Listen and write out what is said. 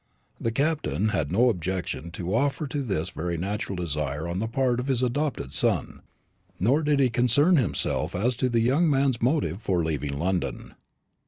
The Captain had no objection to offer to this very natural desire on the part of his adopted son; nor did he concern himself as to the young man's motive for leaving London.